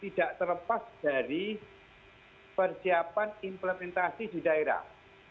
tidak terlepas dari persiapan implementasi di daerah